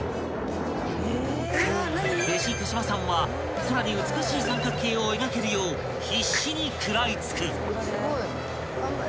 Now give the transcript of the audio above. ［弟子手島さんは空に美しい三角形を描けるよう必死に食らいつく］